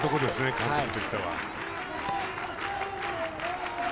監督としては。